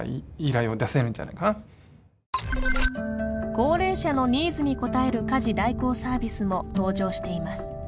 高齢者のニーズに応える家事代行サービスも登場しています。